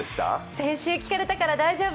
先週聞かれたから大丈夫。